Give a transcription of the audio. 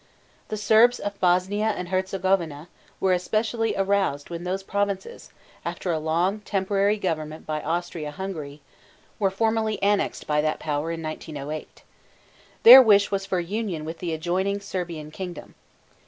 The Serbs of Bosnia and Herzegovina (hĕr tsĕ go vee´nah) were especially aroused when those provinces, after a long temporary government by Austria Hungary, were formally annexed by that power in 1908. Their wish was for union with the adjoining Serbian kingdom.